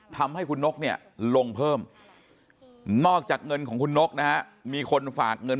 ทำให้คุณนกเนี่ยลงเพิ่มนอกจากเงินของคุณนกนะฮะมีคนฝากเงิน